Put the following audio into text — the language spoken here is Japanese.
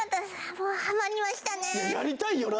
もうハマりましたね